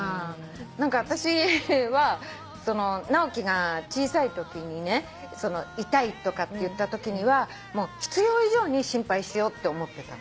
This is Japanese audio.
私は直樹が小さいときにね痛いとかって言ったときには必要以上に心配しようって思ってたの。